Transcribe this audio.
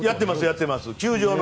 やってます。